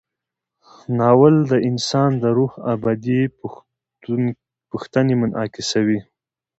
ناول د انسان د روح ابدي پوښتنې منعکسوي.